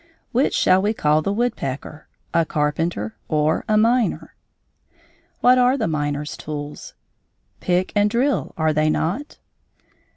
Which shall we call the woodpecker a carpenter or a miner? What are the miner's tools? Pick and drill, are they not?